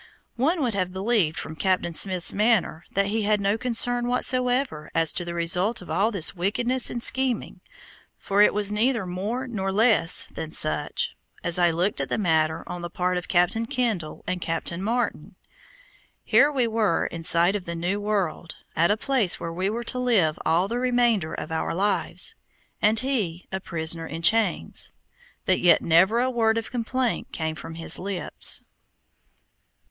One would have believed from Captain Smith's manner that he had no concern whatsoever as to the result of all this wickedness and scheming, for it was neither more nor less than such, as I looked at the matter, on the part of Captain Kendall and Captain Martin. Here we were in sight of the new world, at a place where we were to live all the remainder of our lives, and he a prisoner in chains; but yet never a word of complaint came from his lips.